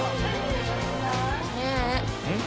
ねえうん？